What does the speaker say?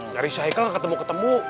nyari syahik lang ketemu ketemu